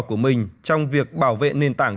của mình trong việc bảo vệ nền tảng